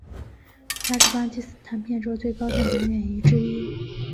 他是巴基斯坦片酬最高的男演员之一。